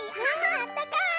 あったかい！